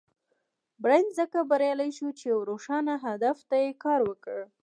بارنس ځکه بريالی شو چې يوه روښانه هدف ته يې کار وکړ.